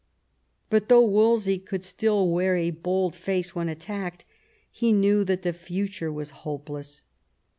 But though Wolsey could still wear a bold face when attacked, he knew that the future was hopeless.